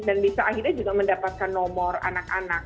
dan bisa akhirnya juga mendapatkan nomor anak anak